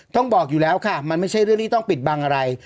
ต้องบอกอยู่แล้วค่ะมันไม่ใช่เรื่องที่ต้องปิดบังอะไร